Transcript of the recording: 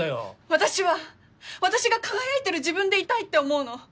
私は私が輝いてる自分でいたいって思うの。